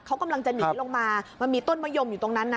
เขากำลังจะหนีลงมามันมีต้นมะยมอยู่ตรงนั้นนะ